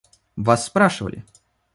Вас спрашивали.